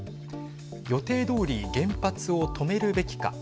予定どおり原発を止めるべきか。